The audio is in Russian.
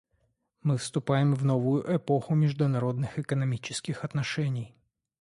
Мы вступаем в новую эпоху международных экономических отношений.